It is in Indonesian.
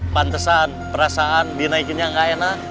pantesan perasaan dinaikin yang enggak enak